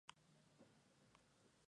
Habita en Albania.